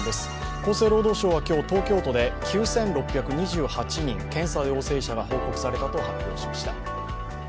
厚生労働省は今日、東京都で９６２８人検査陽性者が報告されたと発表しました。